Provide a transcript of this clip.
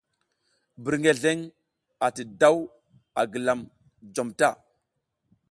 Birngeleŋ ati daw a gilam jom ta.